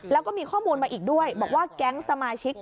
แล้วก็มีข้อมูลมาอีกด้วยบอกว่าแก๊งสมาชิก